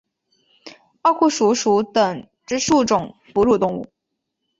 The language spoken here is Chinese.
奥库鼠属等之数种哺乳动物。